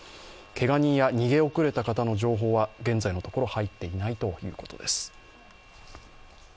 けが人や逃げ遅れた方の情報は現在のところ入っていないということです。